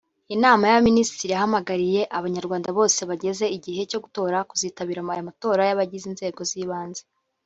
Inama y’Abaminisitiri yahamagariye Abanyarwanda bose bageze igihe cyo gutora kuzitabira ayo matora y’Abagize Inzego z’Ibanze